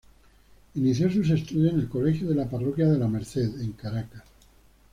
Inició sus estudios en el colegio de la Parroquia de la Merced en Caracas.